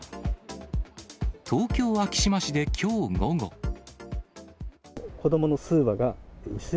東京・昭島市できょう午後。